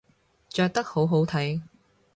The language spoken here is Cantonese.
着得好好睇